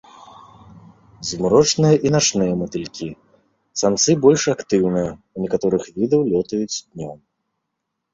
Змрочныя і начныя матылькі, самцы больш актыўныя, у некаторых відаў лётаюць днём.